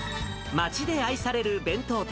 町で愛される弁当店。